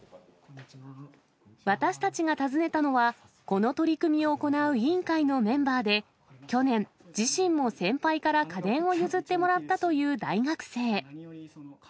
私たちが訪ねたのは、この取り組みを行う委員会のメンバーで、去年、自身も先輩から家電を譲ってもらったという大学生。